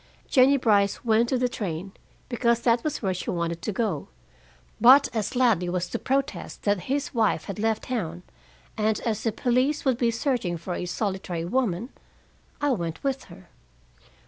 Jennie Brice went to the train, because that was where she wanted to go. But as Ladley was to protest that his wife had left town, and as the police would be searching for a solitary woman, I went with her.